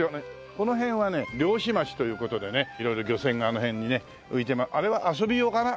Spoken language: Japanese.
この辺はね漁師町という事でね色々漁船があの辺にね浮いてあれは遊び用かな？